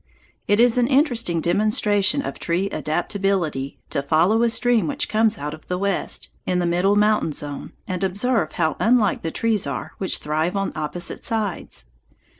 It is an interesting demonstration of tree adaptability to follow a stream which comes out of the west, in the middle mountain zone, and observe how unlike the trees are which thrive on opposite sides.